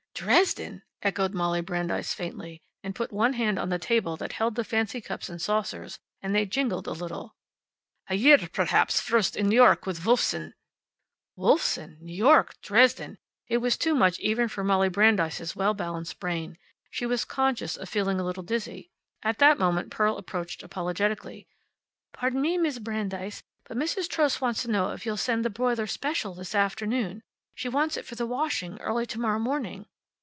"Dresden!" echoed Molly Brandeis faintly, and put one hand on the table that held the fancy cups and saucers, and they jingled a little. "A year, perhaps, first, in New York with Wolfsohn." Wolfsohn! New York! Dresden! It was too much even for Molly Brandeis' well balanced brain. She was conscious of feeling a little dizzy. At that moment Pearl approached apologetically. "Pardon me, Mis' Brandeis, but Mrs. Trost wants to know if you'll send the boiler special this afternoon. She wants it for the washing early to morrow morning."